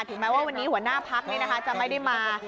แม้ว่าวันนี้หัวหน้าพักจะไม่ได้มา